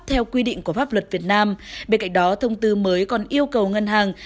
theo quy định của pháp luật việt nam bên cạnh đó thông tư mới còn yêu cầu ngân hàng